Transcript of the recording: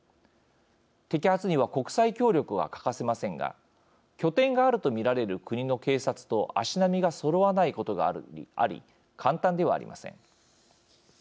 摘発には国際協力が欠かせませんが拠点があるとみられる国の警察と足並みがそろわないことがあり簡単ではありません。